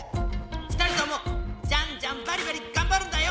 ２人ともジャンジャンバリバリがんばるんだよ！